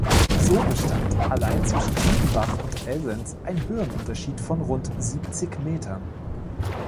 So bestand allein zwischen Tiefenbach und Elsenz ein Höhenunterschied von rund siebzig Metern.